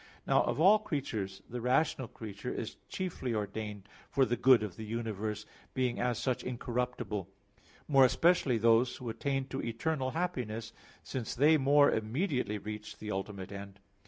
Now of all creatures the rational creature is chiefly ordained for the good of the universe, being as such incorruptible; more especially those who attain to eternal happiness, since they more immediately reach the ultimate end.